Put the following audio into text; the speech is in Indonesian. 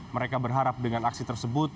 mereka berharap dengan aksi tersebut